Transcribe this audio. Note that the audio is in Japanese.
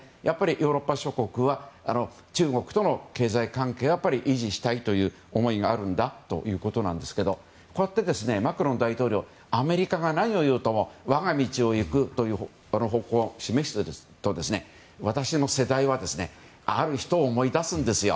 ヨーロッパ諸国は中国との経済関係は維持したいという思いがあるということですがこうやってマクロン大統領アメリカが何を言おうとも我が道を行くという方向を示していますが私の世代はある人を思い出すんですよ。